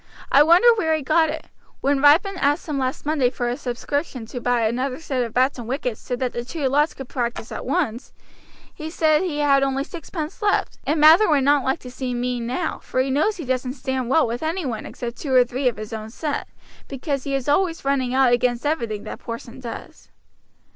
"I wonder where he got it. When Ripon asked him last Monday for a subscription to buy another set of bats and wickets, so that two lots could practise at once, he said he had only sixpence left, and Mather would not like to seem mean now, for he knows he doesn't stand well with any one except two or three of his own set, because he is always running out against everything that Porson does."